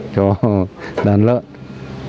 cho đàn lợn